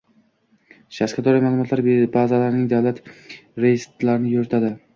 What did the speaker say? Shaxsga doir ma’lumotlar bazalarining davlat reyestrini yuritadi;